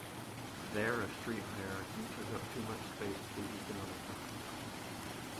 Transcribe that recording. There a street hierarchy took up too much space to be economical.